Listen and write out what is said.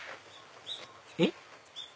えっ？